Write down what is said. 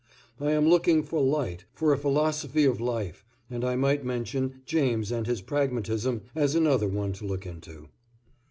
I am looking for light, for a philosophy of life, and I might mention James and his Pragmatism as another one to look into.